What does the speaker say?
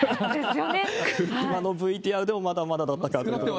あのＶＴＲでもまだまだだった感が。